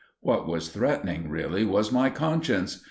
What was threatening really was my conscience.